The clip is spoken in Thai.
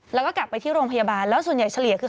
แล้วก็กลับไปที่โรงพยาบาลแล้วส่วนใหญ่เฉลี่ยคือ